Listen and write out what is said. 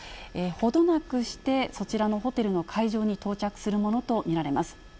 程なくして、そちらのホテルの会場に到着するものと見られます。